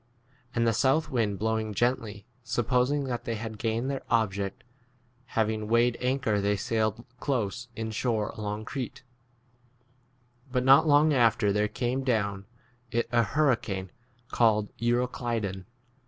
8 13 And [the] south wind blowing gently, supposing that they had gained their object, having weighed anchor they sailed close in shore 14 along Crete. But not long after there came down it a hurricane 15 called Euroclydon.